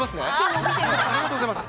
ありがとうございます。